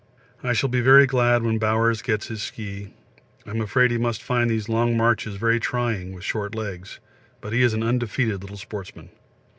I shall be very glad when Bowers gets his ski; I'm afraid he must find these long marches very trying with short legs, but he is an undefeated little sportsman.